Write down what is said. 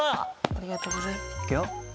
ありがとうございますいくよ